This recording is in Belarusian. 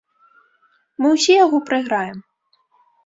Мы ўсе яго прайграем.